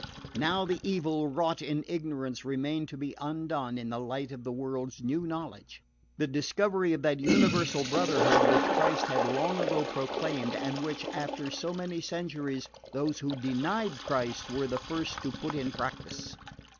Now the evil wrought in ignorance remained to be undone in the light of the world's new knowledge: the discovery of that universal brotherhood which Christ had long ago proclaimed, and which, after so many centuries, those who denied Christ were the first to put in practice.